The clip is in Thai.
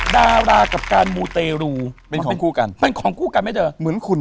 ดารากับการมูเตรุ